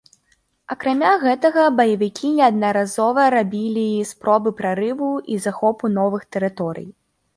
Акрамя гэтага, баевікі неаднаразова рабілі спробы прарыву і захопу новых тэрыторый.